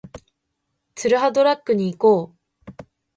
ツルハドラッグに行こう